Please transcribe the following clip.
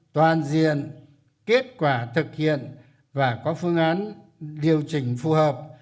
thực hiện kết quả thực hiện và có phương án điều chỉnh phù hợp